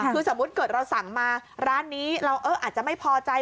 คือสมมุติเกิดเราสั่งมาร้านนี้เราอาจจะไม่พอใจ